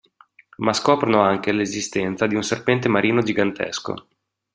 Ma scoprono anche l'esistenza di un serpente marino gigantesco.